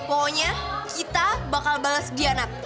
pokoknya kita bakal bales dia nat